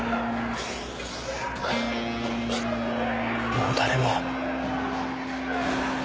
もう誰も。